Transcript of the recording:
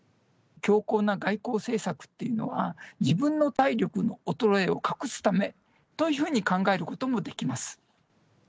強硬な外交政策っていうのは、自分の体力の衰えを隠すためというふうに考えることもできます。